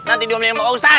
nanti dua milen mau usat